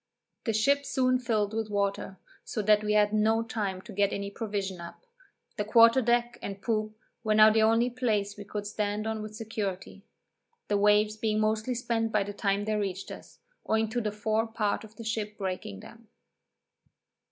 The ship soon filled with water, so that we had no time to get any provision up; the quarter deck and poop were now the only place we could stand on with security, the waves being mostly spent by the time they reached us, owing to the fore part of the ship breaking them.